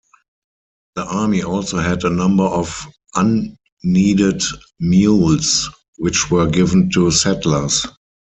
The army also had a number of unneeded mules which were given to settlers.